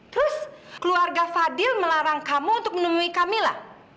terus keluarga fadil melarang kamu untuk menemui kamila